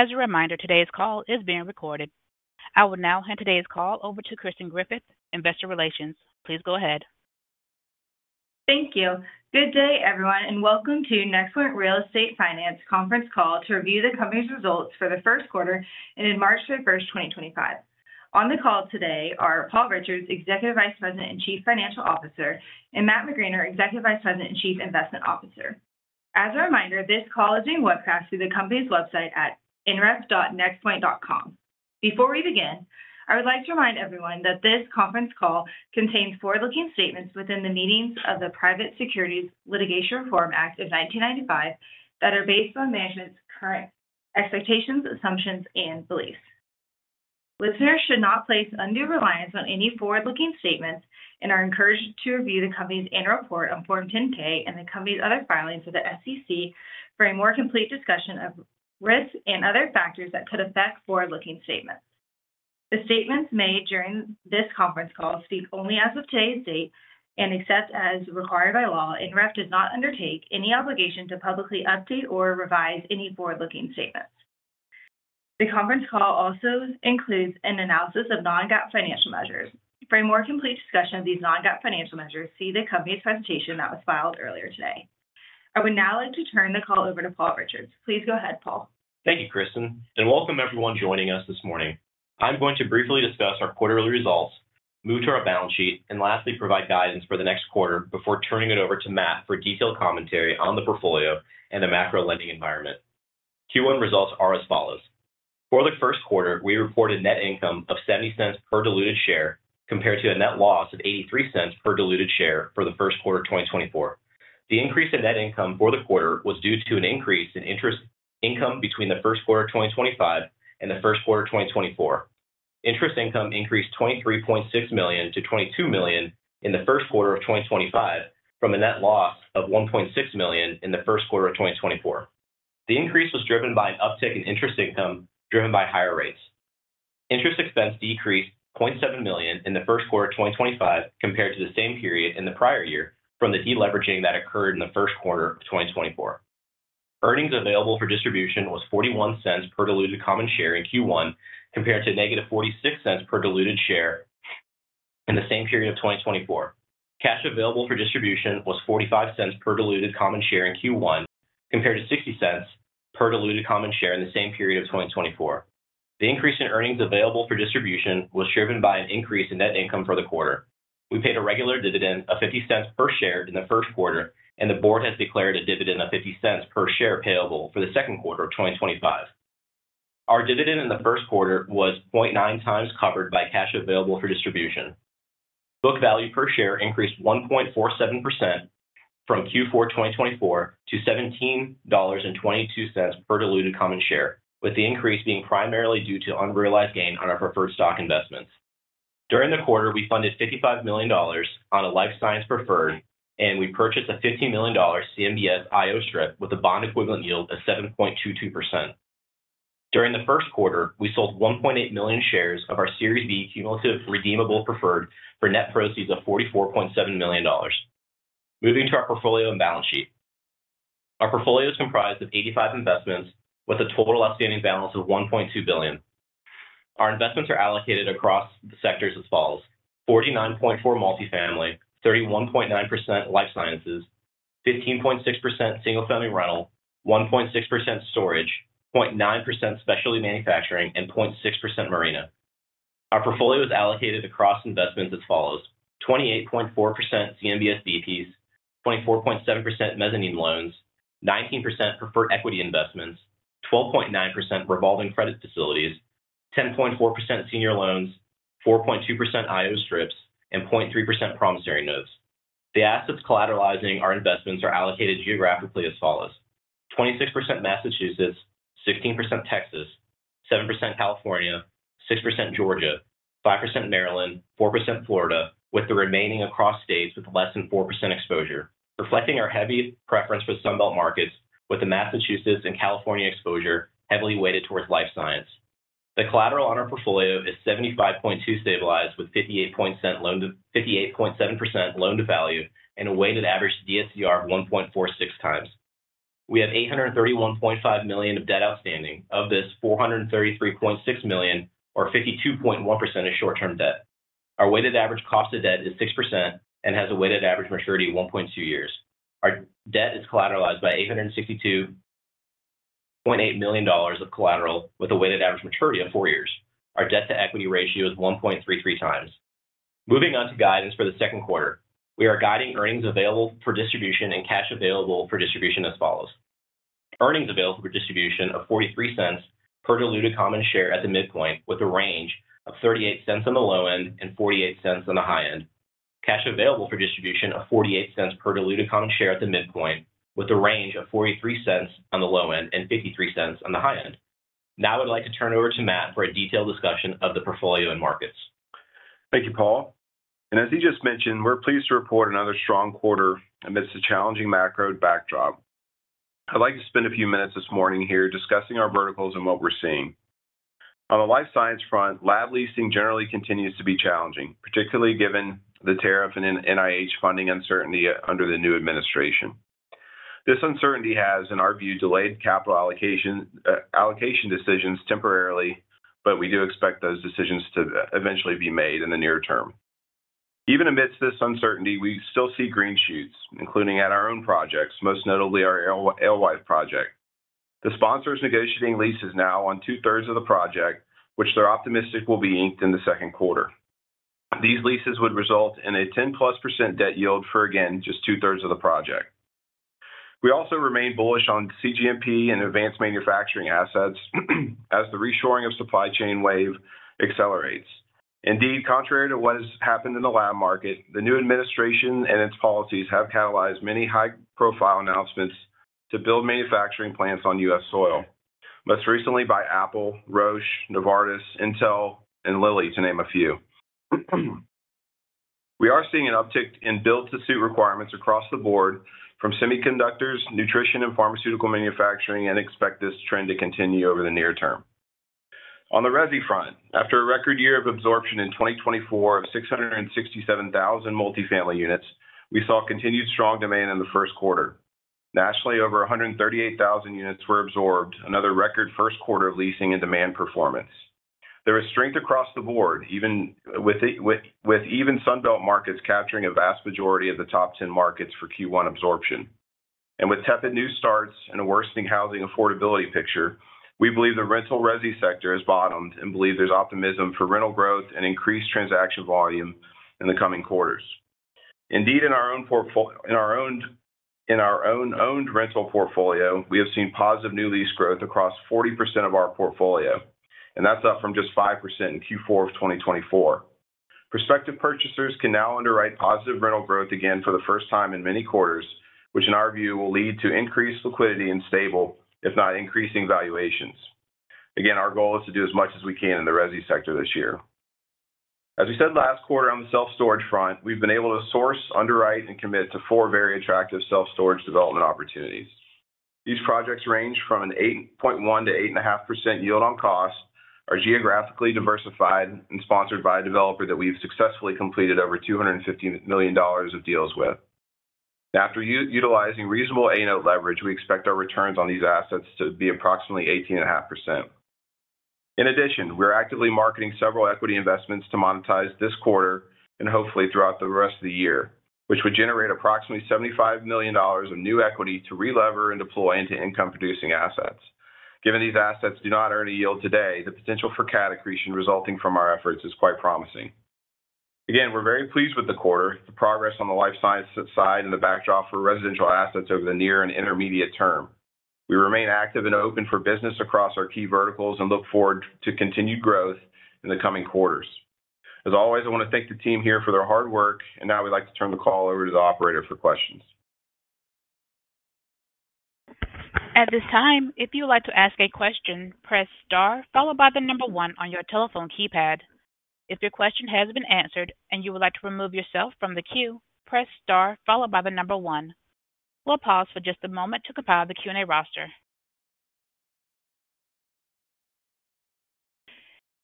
As a reminder, today's call is being recorded. I will now hand today's call over to Kristen Griffith, Investor Relations. Please go ahead. Thank you. Good day, everyone, and welcome to NexPoint Real Estate Finance conference call to review the company's results for the first quarter and in March 21, 2025. On the call today are Paul Richards, Executive Vice President and Chief Financial Officer, and Matt McGraner, Executive Vice President and Chief Investment Officer. As a reminder, this call is being webcast through the company's website at nref.nexpoint.com. Before we begin, I would like to remind everyone that this conference call contains forward-looking statements within the meaning of the Private Securities Litigation Reform Act of 1995 that are based on management's current expectations, assumptions, and beliefs. Listeners should not place undue reliance on any forward-looking statements and are encouraged to review the company's annual report on Form 10-K and the company's other filings with the SEC for a more complete discussion of risks and other factors that could affect forward-looking statements. The statements made during this conference call speak only as of today's date and, except as required by law, NexPoint Real Estate Finance does not undertake any obligation to publicly update or revise any forward-looking statements. The conference call also includes an analysis of non-GAAP financial measures for a more complete discussion of these non-GAAP financial measures. See the company's presentation that was filed earlier today. I would now like to turn the call over to Paul Richards. Please go ahead, Paul. Thank you, Kristen, and welcome everyone joining us this morning. I'm going to briefly discuss our quarterly results, move to our balance sheet, and lastly, provide guidance for the next quarter before turning it over to Matt for detailed commentary on the portfolio and the macro lending environment. Q1 results are as follows. For the first quarter, we reported net income of $0.70 per diluted share compared to a net loss of $0.83 per diluted share for the first quarter of 2024. The increase in net income for the quarter was due to an increase in interest income between the first quarter of 2025 and the first quarter of 2024. Interest income increased $23.6 million to $22 million in the first quarter of 2025 from a net loss of $1.6 million in the first quarter of 2024. The increase was driven by an uptick in interest income driven by higher rates. Interest expense decreased $0.7 million in the first quarter of 2025 compared to the same period in the prior year from the deleveraging that occurred in the first quarter of 2024. Earnings available for distribution was $0.41 per diluted common share in Q1 compared to negative $0.46 per diluted share in the same period of 2024. Cash available for distribution was $0.45 per diluted common share in Q1 compared to $0.60 per diluted common share in the same period of 2024. The increase in earnings available for distribution was driven by an increase in net income for the quarter. We paid a regular dividend of $0.50 per share in the first quarter, and the board has declared a dividend of $0.50 per share payable for the second quarter of 2025. Our dividend in the first quarter was 0.9 times covered by cash available for distribution. Book value per share increased 1.47% from Q4 2024 to $17.22 per diluted common share, with the increase being primarily due to unrealized gain on our preferred stock investments. During the quarter, we funded $55 million on a life science preferred, and we purchased a $15 million CMBS IO strip with a bond equivalent yield of 7.22%. During the first quarter, we sold 1.8 million shares of our Series B cumulative redeemable preferred for net proceeds of $44.7 million. Moving to our portfolio and balance sheet. Our portfolio is comprised of 85 investments with a total outstanding balance of $1.2 billion. Our investments are allocated across the sectors as follows: 49.4% multifamily, 31.9% life sciences, 15.6% single-family rental, 1.6% storage, 0.9% specialty manufacturing, and 0.6% marina. Our portfolio is allocated across investments as follows: 28.4% CMBS VPs, 24.7% mezzanine loans, 19% preferred equity investments, 12.9% revolving credit facilities, 10.4% senior loans, 4.2% IO strips, and 0.3% promissory notes. The assets collateralizing our investments are allocated geographically as follows: 26% Massachusetts, 16% Texas, 7% California, 6% Georgia, 5% Maryland, 4% Florida, with the remaining across states with less than 4% exposure, reflecting our heavy preference for Sunbelt markets, with the Massachusetts and California exposure heavily weighted towards life science. The collateral on our portfolio is 75.2% stabilized with 58.7% loan-to-value and a weighted average DSCR of 1.46x. We have $831.5 million of debt outstanding. Of this, $433.6 million, or 52.1%, is short-term debt. Our weighted average cost of debt is 6% and has a weighted average maturity of 1.2 years. Our debt is collateralized by $862.8 million of collateral, with a weighted average maturity of 4 years. Our debt to equity ratio is 1.33x. Moving on to guidance for the second quarter, we are guiding earnings available for distribution and cash available for distribution as follows: earnings available for distribution of $0.43 per diluted common share at the midpoint, with a range of $0.38 on the low end and $0.48 on the high end. Cash available for distribution of $0.48 per diluted common share at the midpoint, with a range of $0.43 on the low end and $0.53 on the high end. Now I would like to turn it over to Matt for a detailed discussion of the portfolio and markets. Thank you, Paul. As he just mentioned, we're pleased to report another strong quarter amidst a challenging macro backdrop. I'd like to spend a few minutes this morning here discussing our verticals and what we're seeing. On the life science front, lab leasing generally continues to be challenging, particularly given the tariff and NIH funding uncertainty under the new administration. This uncertainty has, in our view, delayed capital allocation decisions temporarily, but we do expect those decisions to eventually be made in the near term. Even amidst this uncertainty, we still see green shoots, including at our own projects, most notably our Alewife project. The sponsor is negotiating leases now on two-thirds of the project, which they're optimistic will be inked in the second quarter. These leases would result in a 10+% debt yield for, again, just two-thirds of the project. We also remain bullish on CGMP and advanced manufacturing assets as the reshoring of supply chain wave accelerates. Indeed, contrary to what has happened in the lab market, the new administration and its policies have catalyzed many high-profile announcements to build manufacturing plants on U.S. soil, most recently by Apple, Roche, Novartis, Intel, and Lilly, to name a few. We are seeing an uptick in build-to-suit requirements across the board from semiconductors, nutrition, and pharmaceutical manufacturing, and expect this trend to continue over the near term. On the RESI front, after a record year of absorption in 2024 of 667,000 multifamily units, we saw continued strong demand in the first quarter. Nationally, over 138,000 units were absorbed, another record first quarter of leasing and demand performance. There is strength across the board, with even Sunbelt markets capturing a vast majority of the top 10 markets for Q1 absorption. With TEPA new starts and a worsening housing affordability picture, we believe the rental RESI sector has bottomed and believe there's optimism for rental growth and increased transaction volume in the coming quarters. Indeed, in our own owned rental portfolio, we have seen positive new lease growth across 40% of our portfolio, and that's up from just 5% in Q4 of 2024. Prospective purchasers can now underwrite positive rental growth again for the first time in many quarters, which, in our view, will lead to increased liquidity and stable, if not increasing, valuations. Again, our goal is to do as much as we can in the RESI sector this year. As we said last quarter on the self-storage front, we've been able to source, underwrite, and commit to four very attractive self-storage development opportunities. These projects range from an 8.1-8.5% yield on cost, are geographically diversified, and sponsored by a developer that we've successfully completed over $250 million of deals with. After utilizing reasonable ANOT leverage, we expect our returns on these assets to be approximately 18.5%. In addition, we're actively marketing several equity investments to monetize this quarter and hopefully throughout the rest of the year, which would generate approximately $75 million of new equity to re-lever and deploy into income-producing assets. Given these assets do not earn a yield today, the potential for CAD accretion resulting from our efforts is quite promising. Again, we're very pleased with the quarter, the progress on the life science side, and the backdrop for residential assets over the near and intermediate term. We remain active and open for business across our key verticals and look forward to continued growth in the coming quarters. As always, I want to thank the team here for their hard work, and now we'd like to turn the call over to the operator for questions. At this time, if you would like to ask a question, press star followed by the number one on your telephone keypad. If your question has been answered and you would like to remove yourself from the queue, press star followed by the number one. We'll pause for just a moment to compile the Q&A roster.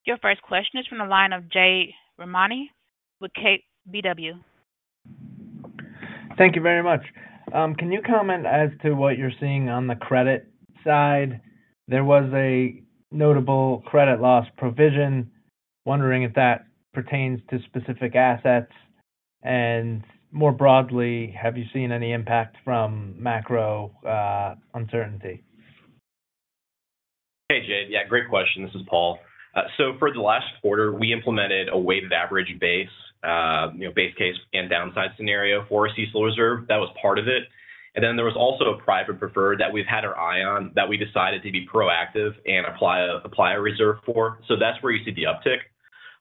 Your first question is from the line of Jay Rahmani with KBW. Thank you very much. Can you comment as to what you're seeing on the credit side? There was a notable credit loss provision. Wondering if that pertains to specific assets. More broadly, have you seen any impact from macro uncertainty? Hey, Jay. Yeah, great question. This is Paul. For the last quarter, we implemented a weighted average base, base case and downside scenario for a CECL reserve. That was part of it. There was also a private preferred that we've had our eye on that we decided to be proactive and apply a reserve for. That's where you see the uptick.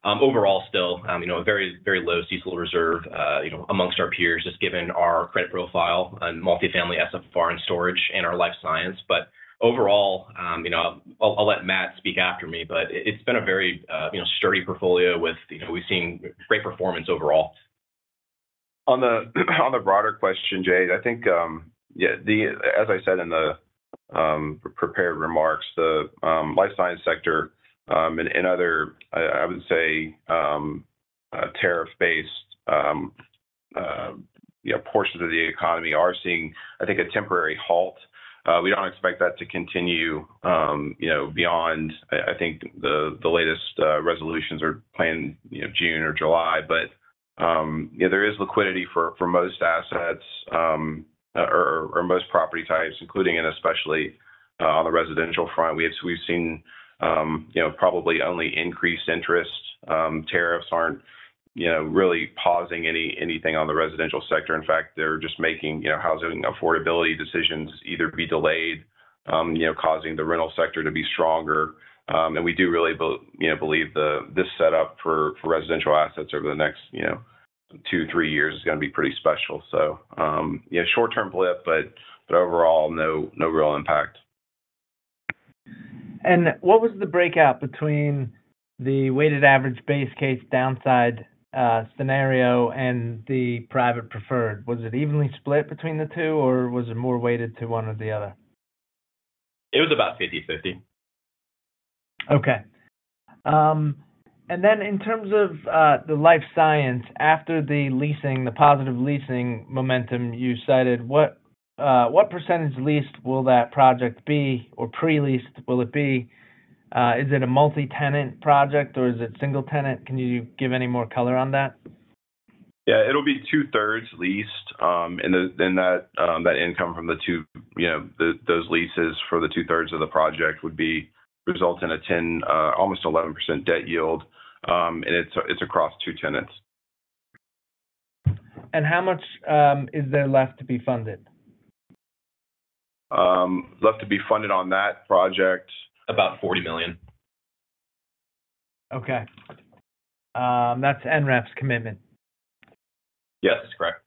Overall, still a very, very low CECL reserve amongst our peers, just given our credit profile and multifamily, SFR and storage and our life science. Overall, I'll let Matt speak after me, but it's been a very sturdy portfolio with we've seen great performance overall. On the broader question, Jay, I think, yeah, as I said in the prepared remarks, the life science sector and other, I would say, tariff-based portions of the economy are seeing, I think, a temporary halt. We do not expect that to continue beyond, I think, the latest resolutions are planned June or July. There is liquidity for most assets or most property types, including and especially on the residential front. We have seen probably only increased interest. Tariffs are not really pausing anything on the residential sector. In fact, they are just making housing affordability decisions either be delayed, causing the rental sector to be stronger. We do really believe this setup for residential assets over the next two, three years is going to be pretty special. Short-term blip, but overall, no real impact. What was the breakout between the weighted average base case downside scenario and the private preferred? Was it evenly split between the two, or was it more weighted to one or the other? It was about 50/50. Okay. In terms of the life science, after the leasing, the positive leasing momentum you cited, what percentage leased will that project be or pre-leased will it be? Is it a multi-tenant project, or is it single-tenant? Can you give any more color on that? Yeah, it'll be two-thirds leased. That income from those leases for the two-thirds of the project would result in a 10, almost 11% debt yield. It's across two tenants. How much is there left to be funded? Left to be funded on that project? About $40 million. Okay. That's NREF's commitment. Yes, that's correct.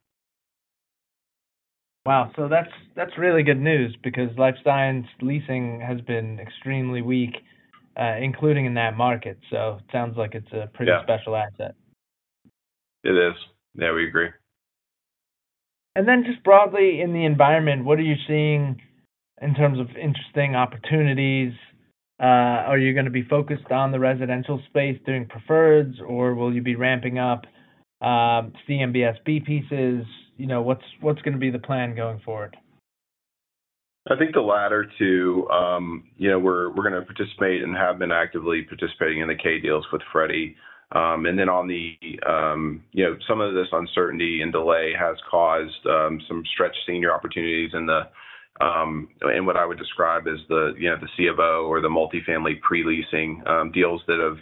Wow. That's really good news because life science leasing has been extremely weak, including in that market. It sounds like it's a pretty special asset. It is. Yeah, we agree. Broadly in the environment, what are you seeing in terms of interesting opportunities? Are you going to be focused on the residential space doing preferreds, or will you be ramping up CMBS B pieces? What's going to be the plan going forward? I think the latter two. We're going to participate and have been actively participating in the K deals with Freddie. On the some of this uncertainty and delay has caused some stretched senior opportunities in what I would describe as the CFO or the multifamily pre-leasing deals that have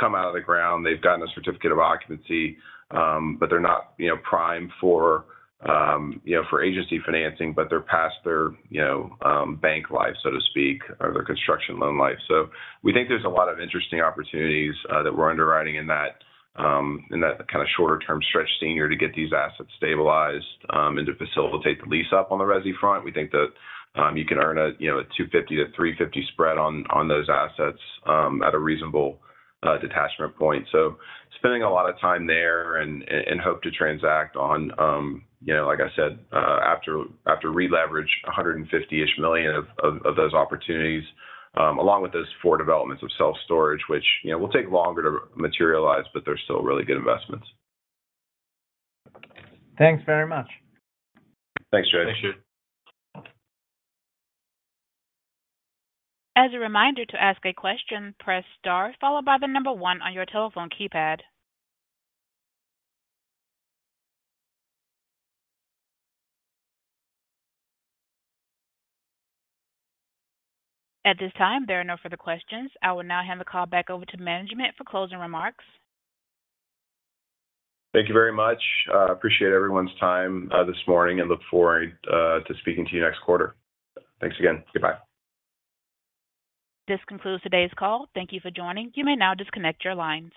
come out of the ground. They've gotten a certificate of occupancy, but they're not primed for agency financing, but they're past their bank life, so to speak, or their construction loan life. We think there's a lot of interesting opportunities that we're underwriting in that kind of shorter-term stretched senior to get these assets stabilized and to facilitate the lease-up on the RESI front. We think that you can earn a 250-350 spread on those assets at a reasonable detachment point. Spending a lot of time there and hope to transact on, like I said, after re-leverage $150 million-ish of those opportunities, along with those four developments of self-storage, which will take longer to materialize, but they're still really good investments. Thanks very much. Thanks, Jay. Thank you. As a reminder to ask a question, press star followed by the number one on your telephone keypad. At this time, there are no further questions. I will now hand the call back over to management for closing remarks. Thank you very much. I appreciate everyone's time this morning and look forward to speaking to you next quarter. Thanks again. Goodbye. This concludes today's call. Thank you for joining. You may now disconnect your lines.